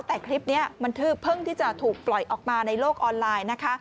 แต่คลิปนี้มันเพิ่งที่จะถูกปล่อยออกมาในโลกออนไลน์นะคะ